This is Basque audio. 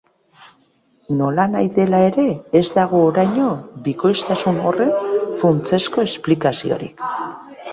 Nolanahi dela ere, ez dago oraino bikoiztasun horren funtsezko esplikaziorik.